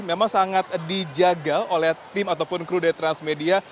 memang sangat dijaga oleh tim ataupun kru dari transmedia